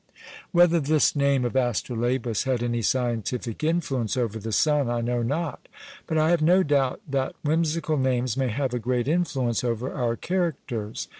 Whether this name of Astrolabus had any scientific influence over the son, I know not; but I have no doubt that whimsical names may have a great influence over our characters.